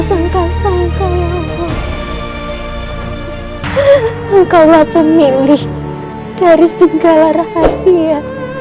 engkau lah pemilih dari segala rahasia